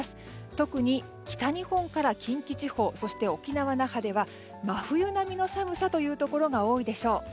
特に北日本から近畿地方、沖縄・那覇では真冬並みの寒さというところが多いでしょう。